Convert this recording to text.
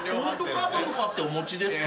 カードとかってお持ちですか？